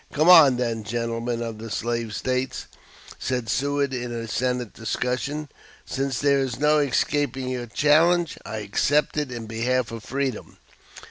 "Come on, then, gentlemen of the slave States," said Seward in a Senate discussion; "since there is no escaping your challenge, I accept it in behalf of Freedom.